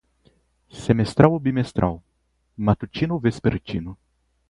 Semestral ou bimestral? Matutino ou vespertino?